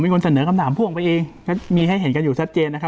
คนเสนอคำถามพ่วงไปเองก็มีให้เห็นกันอยู่ชัดเจนนะครับ